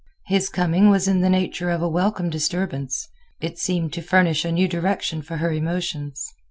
His coming was in the nature of a welcome disturbance; it seemed to furnish a new direction for her emotions.